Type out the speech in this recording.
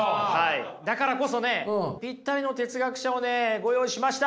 だからこそねぴったりの哲学者をねご用意しました。